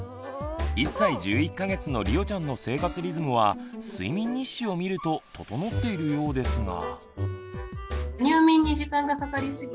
１歳１１か月のりおちゃんの生活リズムは睡眠日誌を見ると整っているようですが。